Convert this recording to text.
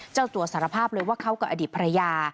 เจ้าตัวสารภาพเลยว่าเขากับอดีตภรรยา